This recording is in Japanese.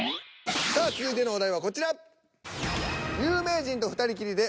さあ続いてのお題はこちら！